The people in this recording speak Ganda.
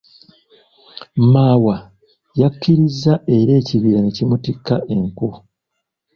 Maawa yakkiriza era ekibira ne kimutikka enku.